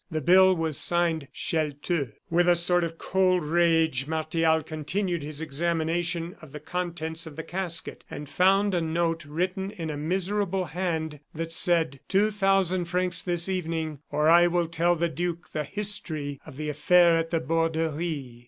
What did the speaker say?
The bill was signed "Chelteux." With a sort of cold rage, Martial continued his examination of the contents of the casket, and found a note written in a miserable hand, that said: "Two thousand francs this evening, or I will tell the duke the history of the affair at the Borderie."